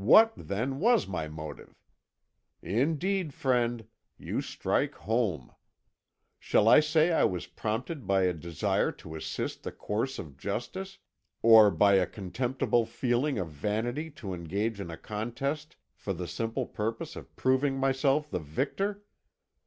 What, then, was my motive? Indeed, friend, you strike home. Shall I say I was prompted by a desire to assist the course of justice or by a contemptible feeling of vanity to engage in a contest for the simple purpose of proving myself the victor?